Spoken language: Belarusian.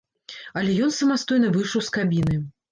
Але ён самастойна выйшаў з кабіны.